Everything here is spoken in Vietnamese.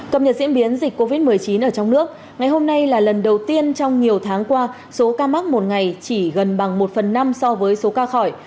cập nhật diễn biến dịch covid một mươi chín ở trong nước ngày hôm nay là lần đầu tiên trong nhiều tháng qua số ca mắc một ngày chỉ gần bằng một phần năm so với số ca khỏi